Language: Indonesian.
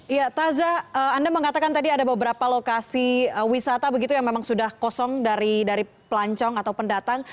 iya taza anda mengatakan tadi ada beberapa lokasi wisata begitu yang memang sudah kosong dari pelancong atau pendatang